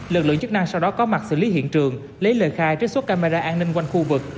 lực lượng chức năng sau đó có mặt xử lý hiện trường lấy lời khai trích xuất camera an ninh quanh khu vực